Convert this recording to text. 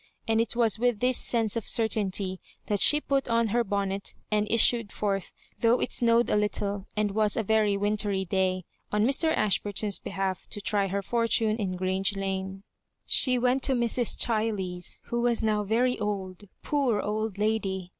And it was with this sense of certainty that she put on her bonnet and is sued "forth, though it snowed a little, and was a very wintery day, on Mr. Ashburton's behalf, to try her fortune in Grrange Lane. She went to Mrs. Chiley's, who was now very old, poor old lady